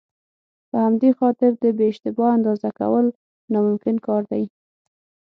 په همدې خاطر د بې اشتباه اندازه کول ناممکن کار دی.